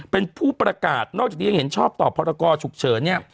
เป็นผู้ประกาศนอกจากนี้ยังเห็นชอบต่อพรกรฉุกเฉินเนี่ย